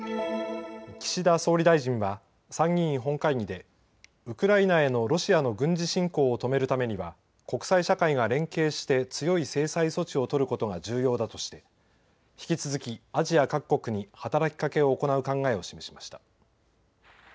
岸田総理大臣は参議院本会議でウクライナへのロシアの軍事侵攻を止めるためには国際社会が連携して強い制裁措置を取ることが重要だとして引き続きアジア各国に働きかけを行う考えを示しました。